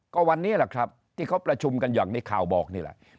ก็วันนี้แหละครับที่เขาประชุมกันอย่างในข่าวบอกนี่แหละ